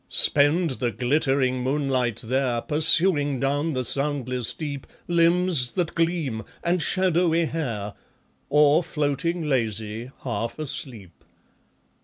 Spend the glittering moonlight there Pursuing down the soundless deep Limbs that gleam and shadowy hair, Or floating lazy, half asleep.